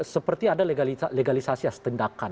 jadi ada legalisasi setindakan